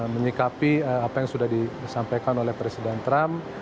menyikapi apa yang sudah disampaikan oleh presiden trump